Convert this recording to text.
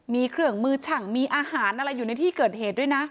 มีเครื่องมือช่างมีอาหารอะไรอยู่ในที่เกิดเหตุด้วยนะ